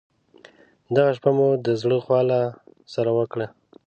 دغه شپه مو د زړه خواله سره وکړل.